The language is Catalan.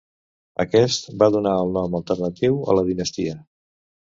Aquest va donar el nom alternatiu a la dinastia.